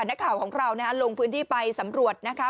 นักข่าวของเราลงพื้นที่ไปสำรวจนะคะ